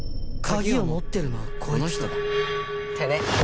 鍵を持ってるのはこの人だってね。